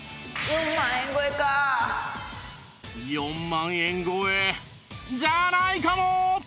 ４万円超えじゃないかも！